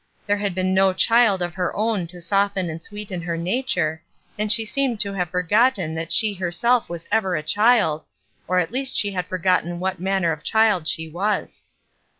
There had been no child of her own to soften and sweeten her nature, and she seemed to have forgotten that she herself was ever a child, or at least she had forgotten what manner of child she was.